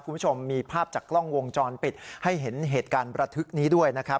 คุณผู้ชมมีภาพจากกล้องวงจรปิดให้เห็นเหตุการณ์ระทึกนี้ด้วยนะครับ